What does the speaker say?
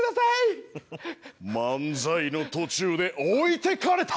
漫才の途中で置いてかれたー！